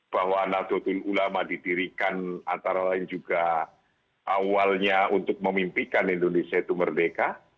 bahwa nadotul ulama didirikan antara lain juga awalnya untuk memimpikan indonesia itu merdeka